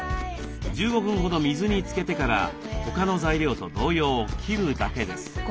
１５分ほど水につけてから他の材料と同様切るだけです。